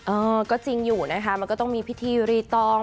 เออก็จริงอยู่นะคะมันก็ต้องมีพิธีรีตอง